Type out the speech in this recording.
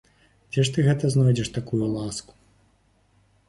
Дзе ж ты гэта знойдзеш такую ласку?